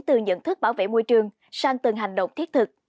từ nhận thức bảo vệ môi trường sang từng hành động thiết thực